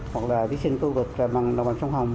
hoặc là thí sinh khu vực bằng đồng bằng sông hồng